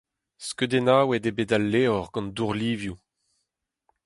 Skeudennaouet eo bet al levr gant dourlivioù.